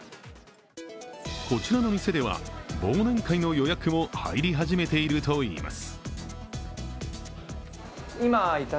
こちらの店では、忘年会の予約も入り始めているといいます。